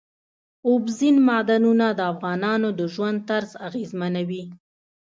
اوبزین معدنونه د افغانانو د ژوند طرز اغېزمنوي.